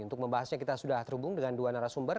untuk membahasnya kita sudah terhubung dengan dua narasumber